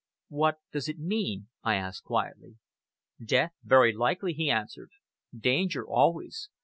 "What does it mean?" I asked quietly. "Death, very likely," he answered. "Danger always.